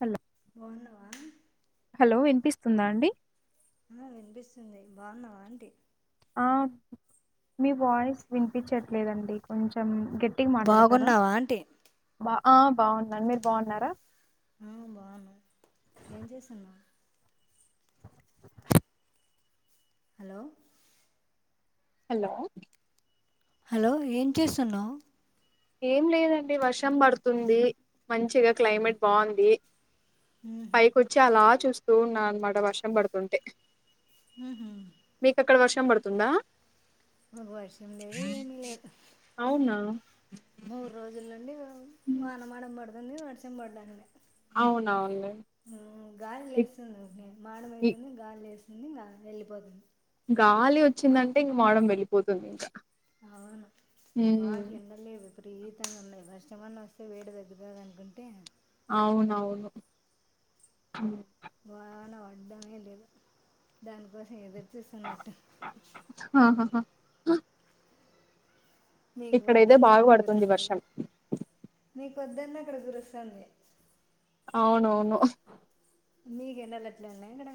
Hello బాగున్నావా hello వినిపిస్తుందా అండి ఆ వినిపిస్తుంది బాగున్నావా ఆంటి ఆ మీ వాయిస్ వినిపించట్లేదండి కొంచెం గట్టిగా మాట్లాడతారా బాగున్నావా ఆంటీ ఆ బాగున్నా మీరు బాగున్నారా ఆ బాగున్నా ఏం చేస్తుర్రు హలో హలో హలో ఏం చేస్తున్నావ్ ఏం లేదండి వర్షం పడుతుంది మంచిగా క్లైమేట్ బాగుంది పైకి వచ్చి అలా చూస్తూ ఉన్నా అన్నమాట వర్షం పడుతుంటే ఊహు మీకు అక్కడ వర్షం పడుతుందా వర్షం లేదు ఏమి లేదు అవునా మూడు రోజుల నుండి ఉమ్. వానమాడ పడుతుంది వర్షం పడ్డం లే అవునవును గాలి ఇ- లేస్తుంది ఇ- మాడమైతుంది గాలి లేస్తుంది ఇంగా యెళ్ళిపోతుంది గాలి వచ్చిందంటే ఇంక మాడం వెళ్ళిపోతుంది ఇంకా అవును మాకు ఉమ్, ఎండలేదు విపరీతంగా ఉన్నాయి వర్షమన్నా వస్తే వేడి తగ్గుతుంది అనుకుంటే అవునవును ఉమ్ వాన పడ్డమే లేదు దానికోసం ఏదుర్ జుస్తున్నట్ ఆ మీకు వద్దన్న బాగా అక్కడ పడుతుంది కురుస్తాయి వర్షం నీకు వద్ద వద్దన్న అక్కడ కురుస్తుంది అవునవును మీకేంటళ్ళ అట్లే ఉన్నాయి అక్కడ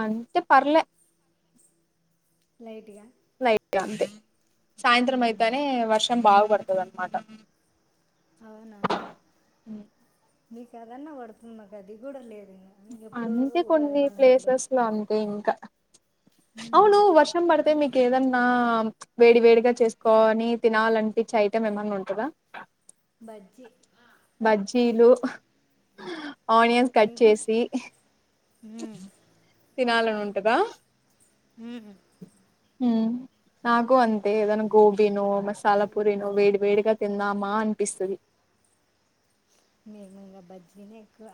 అంతే పర్లే లైట్గా లైట్ అంతే సాయంత్రం మ్మ్. అయితేనే వర్షం బాగ పడుతదనమాట అవునా మీక అదన్నా పడుతుంది మాకు అది గూడా లేదు ఇంకా. ఎప్పుడో అంతే ఉగాది కొన్ని పండుగ అప్పుడు ప్లేసెస్ లో వచ్చింది అంతే ఇంకా మ్మ్. అవును వర్షం పడితే మీక్ ఏదన్నా వేడి వేడిగా చేసుకోని తినాలియనిపించే ఐటెం ఏమైన్నా ఉంటదా బజ్జీ ఆ, బజ్జీలు ఆనియన్స్ కట్ మీకు చేసి మ్మ్. తినాలని ఉంటదా మ్ మ్ నాకు అంతే ఏదన్న గోబినో మసాలా పూరినో వేడ్ వేడిగా తింద మా అనిపిస్తది మేము ఇంగా బజ్జీనే ఎక్కువ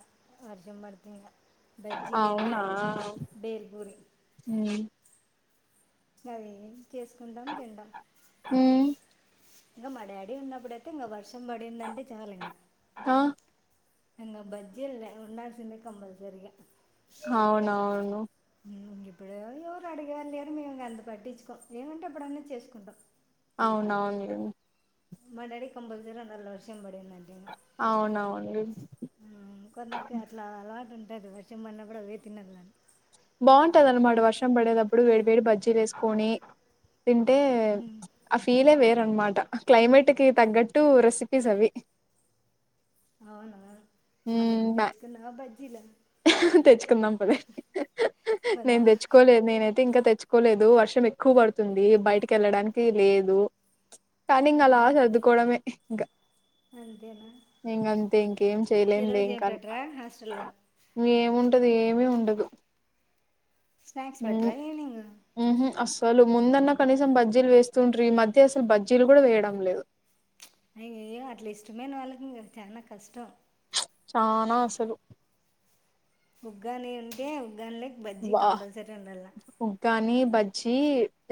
వర్షం పడితే ఇంగా బజ్జి లేదా అవునా బేల్పూరి ఉమ్ అవే చేసుకుంటాం తిటం ఉమ్ ఇంగా మా డాడీ ఉన్నప్పుడయితే ఇంగా వర్షం పడిందండి చాలు ఇంగా ఆ ఇంగా బజ్జీలే ఉన్నాడుసింది కంపల్సరిగా అవునవును ఇప్పుడు ఎవరు అడిగర్లేని మేము గంత పట్టించుకోం ఏమంటే ఎప్పుడన్న చేసుకుంటాం అవునవునండి మా డాడి కి కంప్ల్సరీ ఉండాలి వర్షం పడితే అవునవును లేదు వర్షం పడీనా గూడా అవ్వే తినాలని బాగుంటుందనమాట వర్షం పడేటప్పుడు వేడి వేడి బజ్జీలేసుకొని తింటే ఆ ఫీలే వేర్ అనమాట క్లైమేట్ కి తగ్గట్టు రెసిపీస్ అవి అవునా మళ్ళీ మ్మ్, ఇప్పుడు బా తెచ్చుకున్నావా బజ్జీల తెచ్చుకుందాం పవే హ నేను పోదామా తెచ్చుకోలేదు నేనైతే ఇంకా తెచ్చుకోలేదు వర్షం ఎక్కువ పడుతుంది బయటికి ఎళ్ళడానికి లేదు కానీ ఇంగా అలా సదుకోవడమే ఇంకా అంతేనా ఇంగా అంతే ఇంకేం చేలేం ఈరోజు లేం ఏం కానీ పెట్టరా హాస్టల్లో ఏముంటది ఏమి ఉండదు స్నాక్స్ పెట్రా ఈవెనింగ్ అసలు ముందన్నా కనీసం బజ్జీలు వేస్తుండ్ర్రి ఈ మధ్య అసలు బజ్జీలు గూడా వేయడం లేదు అయ్యో, అట్లా ఇష్టమైన వాళ్ళకి ఇంగా చాల కష్టం చ్ చానా అసలు ఉగ్గానే ఉంటే ఉగ్గాని లకి బజ్జీ కంపల్సరీ ఉండలా బజ్జి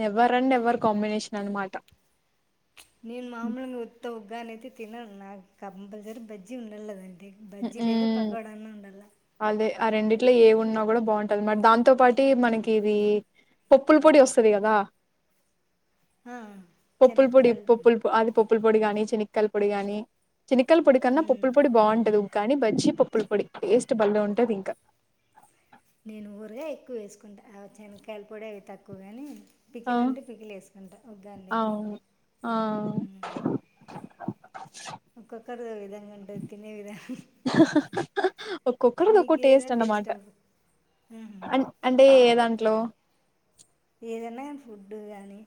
ఎవర్ అండ్ ఎవరు కాంబినేషన్ అనమాట నేను మామూలుగా ఉత్త ఉగ్గా అని అయితే తినను నాకు కంపల్సరీ బజ్జీ ఉండలి దానికి అ బజ్జీ లేదా మ్మ్ పకోడ అన్న ఉండాల అదే ఆ రెండిట్లో ఏ ఉన్నా కూడా బాగుంటది మరి దాంతో పాటు మనకి ఇది పప్పుల పొడి వస్తది కదా ఆ, పప్పుల పొడి శనక్కాయలు పప్పులు ప అది పప్పుల పొడి కానీ చినక్కయల పొడి కాని చినకయల పొడి కన్నా ఉమ్, పప్పుల పొడి బాగుంటదికానీ బజ్జి పప్పుల పొడి టేస్ట్ భలే ఉంటది ఇంకా నేను ఊరగాయి ఎక్కువ వేసుకుంటా శనగకాయల పొడి అవి తక్కువగాని ఆ పికిలు అంటే పికిలు వేసుకుంటా ఒగాండ అయితే అవును ఆ ఓక్కక్కర్దద ఒక్కొక్కరు ఒక్కో నీకు టేస్ట్ ఏదంటే అన్నమాట ఇష్టం ఉహు. అ అంటే ఏ దాంట్లో ఏదన్నా కానీ ఫుడ్ గాని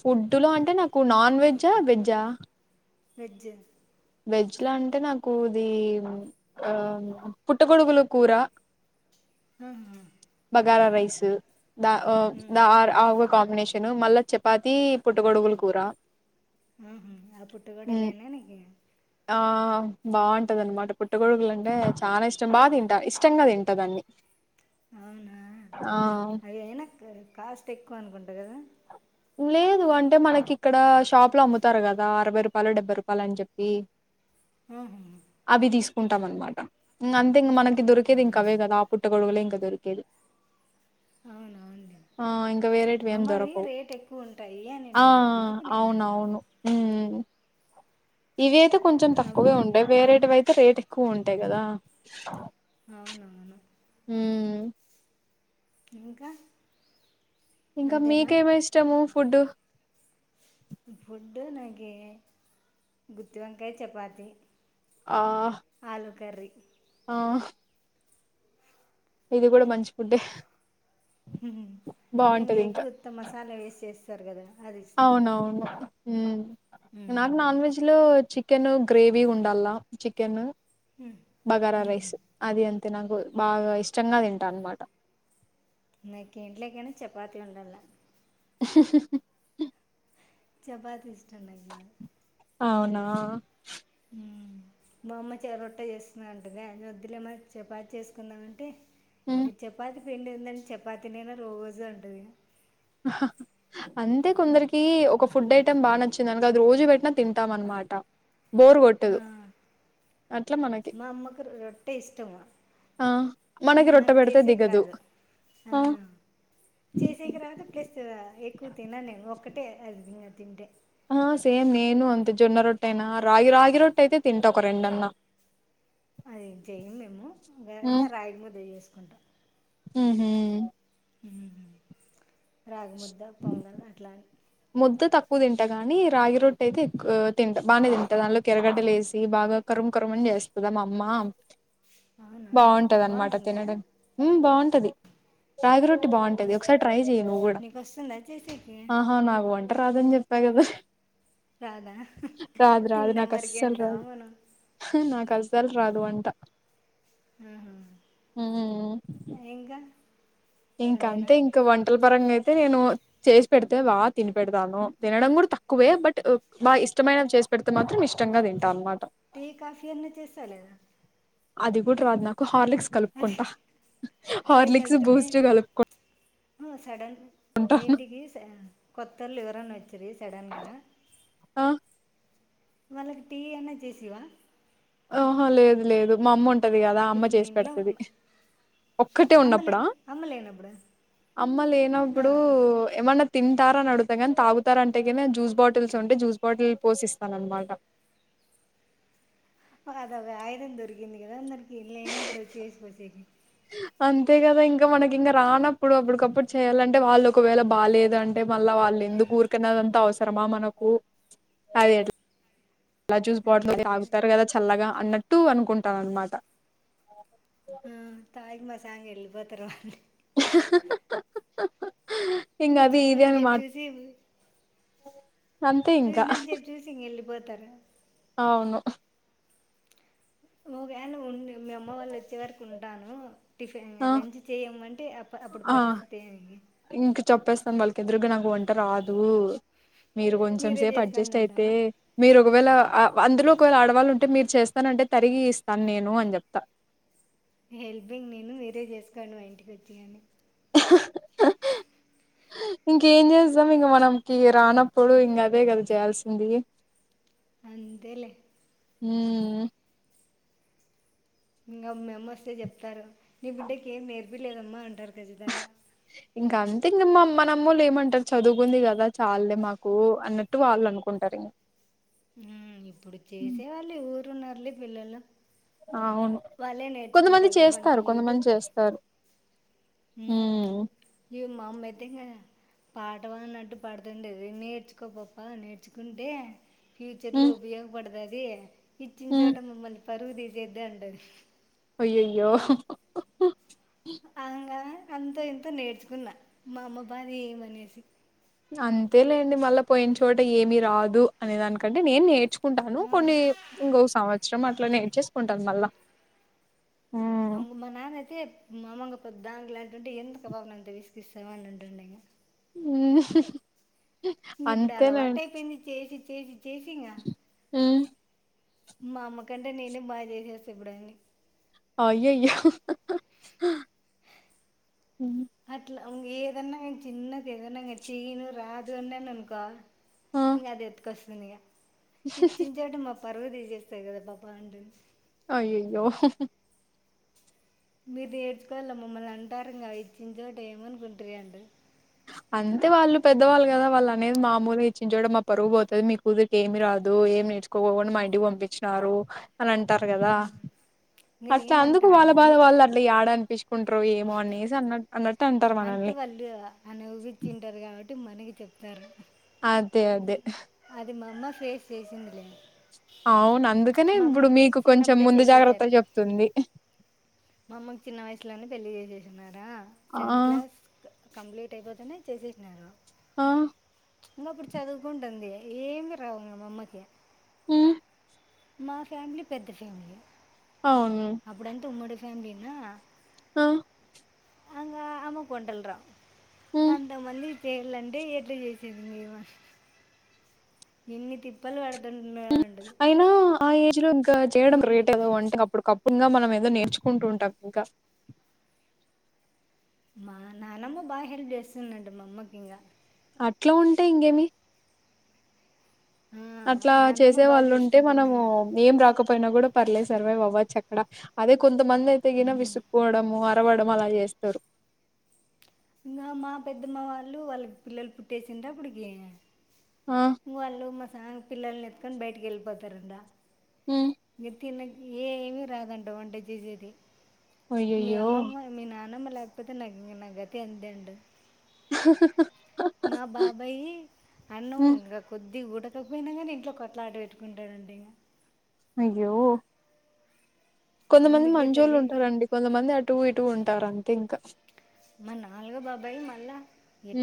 ఫుడ్లో అంటే నాకు నాన్ వెజా వెజ్జా వెజ్ వెజ్లా అంటే నాకు ఇది ఆ పుట్ట గొడుగులు కూర ఆహా బాగరా రైస్ దా ఉమ్, కాంబినేషన్ మళ్ళా చపాతి పుట్ట గొడుగులు కూర ఆహా ఆ పుట్టగోడు ఉమ్ లేనా నికి ఆ బాగుంటది అన్నమాట పుట్ట గోడుగులు అంటే చాలా ఇష్టం బాగా తింటా ఇష్టంగా తింటదాన్ని అవునా అవి అయినా కాస్ట్ ఎక్కువ అనుకుంటా కదా లేదు అంటే మనకి ఇక్కడ షాప్ లో అమ్ముతారు కదా అరవై రూపాయలు డెబ్బై రూపాయలు అని చెప్పి ఆహా హా కుంటాం అనమాట ఇంక అంతే ఇంక మనకి దొరికేది ఇంకావే అవునా కదా ఆ పుట్ట గొడువలే ఇంకా దొరికేది అవునవును ఆ ఇంకా వేరంటివీ ఎమ్ మమ్మ అవి దొరకవు రేట్ ఎక్కువ ఉంటాయి ఆ అనిండి అందుకు నేనున్నా అవునవును హ్మ్ ఇవి అయితే కొంచెం తక్కువగా అమ్మా ఉంటాయి వేరేటివి అయితే రేట్ ఎక్కువ ఉంటాయి కదా అవునవును హ్మ్ ఇంకా ఇంకా అంతేనా మీకేమి ఇష్టము ఫుడ్డు ఫుడ్ నాకు గుత్తివంకాయ చపాతి ఆ ఆలు కర్రీ ఆ ఇది కూడా మంచి ఫుడే ఇంకా ఎగ్ ఉత్త మసాలా వేసి చేస్తారు కదా అది ఇష్టం అవునవును నాకు హ్మ్. నాన్ వెజ్ లో చి కెన్ గ్రేవి ఉండాలా చికెన్ బగారా రైస్ అది అంతే నాకు బాగా ఇష్టంగా తింటా అన్నమాట నకీంటిట్లోకనా చపాతి ఉండల హా చపాతి ఇష్టాం నాకు బాగా అవునా బామ్మ చె రొట్ట చేస్తున్నాంటగా వద్దులేమ చపాతి చేసుకుందామంటే హ్మ్ ఈ చపాతి పిండి ఉందంటే చపాతినైనా రోజే ఉంటది హ్ అంతే కొందరికి ఒక ఫుడ్ ఐటెమ్ బాగా నచ్చింది అనుకో అది రోజు పెట్టినా తింటాం అనమాట బోర్ ఆ, కొట్టదు అట్లా మనకి మా అమ్మకు రొట్టె ఇష్టము ఆ మనకి రొట్టె నాకు పెడితే చేసేకి దిగదు రాదు ఆ చేసే తర్వాత ప్లస్ ఎక్కువ తినను నేను ఒక్కటే అది తింటే ఆ సేమ్ నేను అంతే జొన్న రొట్టె అయినా రాగి రాగి రొట్టె అయితే తింటా ఒక రెండు అన్న అదేం చెయ్యం మేము రాగి ముద్ద చేస్తాము ఉహుమ్ ఉహుమ్ రాగిముద్ద పొంగల్ అట్లా ముద్ద తక్కువ తింట గాని రాగి రొట్టె అయితే ఎక్కువ తింట బాగానే తింటా దానిలోకి ఎరగడ్డలులేేసి బాగా ఇల కరుం కరుం అని చేస్తది మా అమ్మా అవునా బాగుంటది అన్నమాట బాగుంటుందా తినడం ఉమ్ బాగుంటది రాగి రొట్టె బాగుంటది వస్ ఒకసారి ట్రై చెయ్య నువ్వు కూడా నీకు వస్తుందా చేసేకి పో వంట రాదని చెప్పావు కదా రాదా రాదు రాదు తినడం వరికే అంటావా మనం కసలు రాదు వంట ఆహా. ఉమ్ ఉమ్ ఇంకా ఇంక అంతేనా అంతే ఇంకా వంటల పరంగా అయితే అయితే నేను చేసి పెడితే బాగా తిని పెడతాను తినడం కూడా తక్కువే బట్ బాగా ఇష్టమైనవి చేస్తే పెడితే మాత్రం ఇష్టంగా తింటాము టీ కాఫీ అన్నా చేస్తా లేదా అది కూడా రాదు నాకు హార్లిక్స్ అది కలుపుకుంటా హార్లిక్స్ బూస్ట్ కలుపుకో ఆ సడన్ మెహెందికి కొత్తల్లో బాన వచ్చేంది సడెన్ గానా ఆ వాళ్ళకి టీ అన్నా చేసివా ఓహో లేదు లేదు మా అమ్మ ఉంటది కదా అమ్మ ఇప్పుడు మీ చేసి ఇంట్లో పెడతది ఒక్కటే అమ్మలే ఉన్నప్పుడా అమ్మలేనప్పుడు అమ్మ లేనప్పుడు ఏమన్నా తింటారా అని అడుతా కాని తాగుతారు అంటేగానే జ్యూస్ బాటిల్స్ ఉంటే జ్యూస్ బాటిల్ పోసిస్తాను అన్నమాట అది ఒక ఆయుధం దొరికింది కదా అందరికి ఇలైన్న కూడా వచ్చి చేసిపోచ్చ అంతే కదా ఇంకా మనకి ఇంకా రానప్పుడు అప్పటికప్పుడు చేయాలంటే వాళ్ళు ఒకవేళ బాగాలేదు అంటే మళ్ళా వా ళ్ళు ఎందుకు ఊరుకన్నదంతా అవసరమా మనకు అదే అలా అది చూసిపోవట్లు కనుక తాగుతారు కదా చల్లగా అన్నట్టు అనుకుంటాను అన్నమాట ఉమ్ తాకి మాసాంగ్ వెళ్ళిపోతారు వాళ్ళు ఇంగ ఇంకా అది ఇది చూసినాంత అని మా సేపు చూసి అంతే ఇంకా. చూసినంత సేపు చూసి ఇంక వెళ్ళిపోతారు అవును ఓకే అండి ఉం మీ అమ్మ వాళ్ళు వచ్చే వరకు ఉంటాను టిఫిన్ ఆ! లంచ్ చేయ్యమంటే అప్పుడు ఆ! పరిస్థితి ఏం ఇంక చెప్పేస్తాను వాళ్ళకి ఎదురుగా నాకు వంట రాదు మీరు కొంచెం మీరే సేపు చేసుకోండి అడ్జస్ట్ అయితే అంటావా మీరు ఒకవేళ అందులో ఒకవేళ ఆడవాళ్ళు ఉంటే మీరు చేస్తానంటే తరిగి ఇస్తాను నేను అని చెప్తా హెల్పింగ్ నేను మీరే చేసుకోండి మా ఇంటికి వచ్చి అని ఆ ఇంకేం చేస్తాం ఇంక మనకి రానప్పుడు ఇంక అదే కదా చేయాల్సింది అంతేలె ఉమ్ ఇంకా మీ అమ్మ వస్తే చెప్తారు నీ బిడ్డకి ఏం నేర్పిలేదమ్మా అంటారు ఖచ్చితంగా ఇంకా అంతే ఇంక మా అమ్మనమ్మలు ఏమంటారు చదువుకుంది కదా చాల్లే మాకు అన్నట్టు వాళ్ళు అనుకుంటారు ఇంక ఇప్పుడు చేసేయాలు ఊరున్నారులే పిల్లలు ఆవును వాళ్ళే కొంతమంది నేర్చుకుంటారు. చేస్తారు కొంతమంది చేస్తారు ఉ ఉమ్ ఇక మ అమ్మయితే ఇంక పాటం అన్నట్టు పాడుతుండేది నేర్చుకో పప్ప నేర్చుకుంటే ఫ్యూచర్లో ఉమ్ ఉపయోగపడతది ఇచ్చిన ఉమ్ చోట మమ్మల్ని పరుగు తీసేద్దే అంటుంది అయ్యోయో అందుకని అంత ఇంతో నేర్చుకున్నా మా అమ్మ బాద ఏమనేసి అంతేలేండి మళ్ళా పోయిన్ చోట ఏమిీ రాదు అనే దానికంటే నేన్ నేర్చుకు కుంటాను ఆ! కొన్ని ఇంకో సంవత్సరం అట్ల నేర్చేసుకుంటాను మళ్ళా ఉమ్ అంగమ్మ నాన్నయితే మామంగ ప ద్దాంగలాంటుంటె ఎందుక్ ఆ పాపని విసుక్ ఉంటంటే ఉమ్ గిప్పుడు అలా అంతేలేండి వాటయిపోయింది చేసి చేసి చేసింగా ఉమ్ మా అమ్మకంటే నేనే బాగా చేసేస్తా ఇప్పుడు అయ్యయ్యో అట్ల ఉ ఏదన్నాంగ చిన్నది ఏదన్నాంగా చేయను రాదన్నానుకా ఆ ఇంక అది ఎతుకొస్తుంది ఇక ఇచ్చిన చెోటి మస్ పర్వు తీసేస్తది కదా పాప అంటే అయ్యయ్యో మీరు నేడ్చుకోవాలి మమ్మల్ని అంటారీగా ఇచ్చిన చోట ఏమనుకుంటుార అండి అంతే వాళ్ళు పెద్దవాళ్ళు కదా వాళ్ళు అనేది మామూలు ఇచ్చించోట కూడా మా పరువు పోతది మీ కూతురికి ఏమి రాదు ఏమి నేర్చుకోకుండా మ ఇంటికి పంపించినారు అని అంటారు కదా ఇంక అట్లా నేను అంటే అందుకు వాళ్ళ ఆటికి బాధ ఇయ్యు వాళ్ళ అట్ల యాడ అనిపిించ కుంట్రు ఏమో అనేసి అన్నట్ అన్నట్టు అంటారు మనల్ని నవ్విించింటారు కాబట్టి మనకి చెప్తారు ఆదే అదే అది మా అమ్మ ఫేస్ చేసిందిలే అవును అందుకనే మా ఇప్పుడు అమ్మకి మీకు కొంచం చిన్నప్పుడే ముందు చేసేసారు జాగ్రత్తలు చెప్తుంది మా అమ్మకు చిన్న వయసులోనే పెళ్లిి చేసే డ ఆ సెవెంత్ క్లాస్ కంప్లీట్ అయిపోతేనే చేసేసినారు ఆ అమ్మ అప్పుడు చదువుకుంటంది ఏమి రావు మామ్మకి మ్ మా ఫ్యామిలీ పెద్ద ఫ్యామిలీ అవును అప్పుడంత ఉమ్మడి ఫ్యామిలీ నా ఆ అంగ అమ్మ కొండల్రా ఉమ్ అంత మళ్ళీ చేయలంటే ఎట్ల చేసేది మీ ఎన్ని తిప్పలు పడత అయినా ఆ ఏజ్ లో ఇంకా చేయడం ఇంకా గ్రేట్ కద అంటే అప్పుటికప్పుడు గా మనం ఏదో నేర్చుకుంటూ ఉంటాం ఇంకా మా నానమ్మ బాగ హెల్ప్ చేస్తుందంట మా అమ్మకి ఇంక అట్లా ఉంటే ఇంకేమి ఆ, అట్లా నాన్నమ్మ చేసే బాగా వాళ్ళు ఉంటే మనము చూసుకుంటుందంట ఏం రాకపో పోయినా కూడా పర్లేదు సర్వైవ్వచ్చు అక్కడ అదే కొంతమంది అయితేగాన ఉమ్. విస్సుకోవడము కవడం అలా చేస్తారు ఇంకా మా పెద్దమ్మ వాళ్ళు వాళ్ళకి పిల్లలు పుట్టేసిండ అప్పడికి ఆ ఇం వాళ్ళు మా సామి పిల్లల్ని ఎత్తుకొని బయటకి వెళ్ళిపోతారుందా ఉమ్ తినకి ఏమి రాదంట వంట చేసేది మీ అయ్యయ్యో అమ్మమ్మ మీ నాన్న అమ్మ లేకపోతే ఇంకా నా గతి అంతే అంటది మా బాబాయి అన్నం ఉమ్ ఇంకా కొద్దిగా ఉడక కపోయినా కానీ ఇంట్లో కొట్లాటా పెట్టుకుంటాడంట ఇకా అయ్యో కొంతమంది అందుకే మంచొల్లు తల్లి ఉంటారండి కొంతమంది అటు ఇటు ఉంటారు అంతే ఇంకా మా నాలుగో బాబాయి మళ్ళా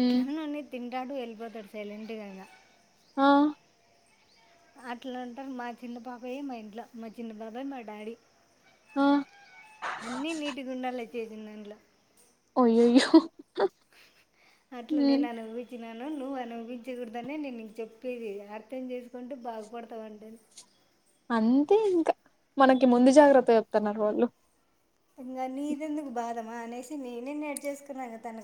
ఉమ్ ఉన్ని తింట టాడు వెళ్ళిపోతాడు సైలెంట్గా అయిన ఆ అట్లాంటారు మా చిన్న బాబాయ్ మా ఇంట్లో మా చిన్న బాబాయ్ మా డాడీ ఆ అన్ని నీట్ గా ఉండాలా చేసిన దాంట్లో అయ్యాయో అట్లా నేను అను అనుబవి న్నాను నువ్వు అనుభవించకూడదనే నేను నీకు చెప్పేది అర్థం చేసుకుంటే బాగుపడతావు అంటుంది అంతే ఇంకా మనకి ముందు జాగ్రత్త చెప్తున్నారు వాళ్ళు ఇంకా నీది ఎందుకు బాధమా అనేసి నేనే నేర్చేస్కున ఇంగ తన